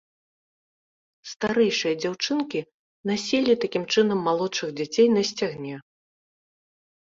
Старэйшыя дзяўчынкі насілі такім чынам малодшых дзяцей на сцягне.